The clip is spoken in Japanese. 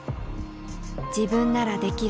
自分ならできる